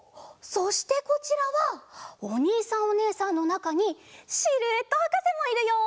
そしてこちらはおにいさんおねえさんのなかにシルエットはかせもいるよ。